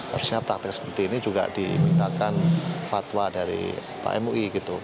harusnya praktek seperti ini juga diminta fatwa dari mui